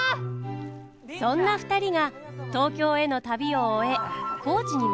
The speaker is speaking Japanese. そんな２人が東京への旅を終え高知に戻ってきました。